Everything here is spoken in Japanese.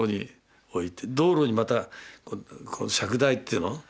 道路にまた尺台っていうの？